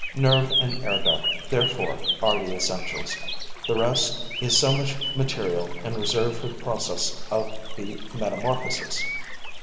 Nerve and air duct, therefore, are the essentials; the rest is so much material in reserve for the process of the metamorphosis.